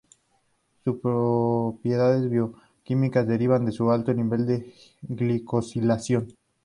Sus propiedades bioquímicas derivan de su alto nivel de glicosilación.